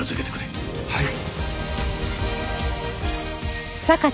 はい。